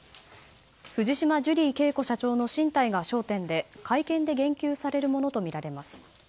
藤島ジュリー景子社長の進退が焦点で会見で言及されるものとみられます。